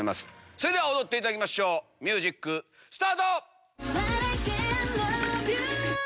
それでは踊っていただきましょうミュージックスタート！